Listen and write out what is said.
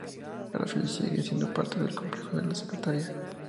A la fecha sigue siendo parte del complejo de la Secretaría.